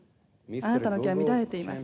「あなたの毛は乱れています」